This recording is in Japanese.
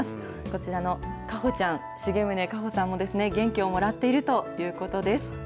こちらの果歩ちゃん、重宗果歩さんも元気をもらっているということです。